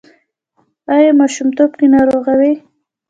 ایا ماشومتوب کې ناروغه وئ؟